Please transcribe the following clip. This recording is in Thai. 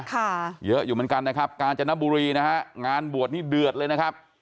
ค่ะเยอะอยู่เหมือนกันนะครับกาญจนบุรีนะฮะงานบวชนี่เดือดเลยนะครับ